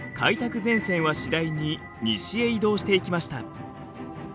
前線は次第に西へ移動していきました。